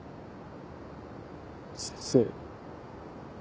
先生。